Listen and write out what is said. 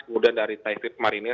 kemudian dari thai fleet marine